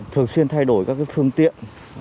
thường xuyên thay đổi các phương tiện